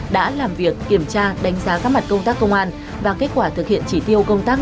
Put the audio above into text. đã làm việc kiểm tra đánh giá các mặt công tác công an và kết quả thực hiện chỉ tiêu công tác